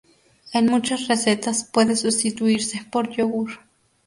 En muchas recetas, puede sustituirse por yogur.